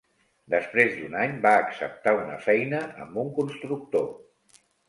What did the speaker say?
Després d'un any, va acceptar una feina amb un constructor.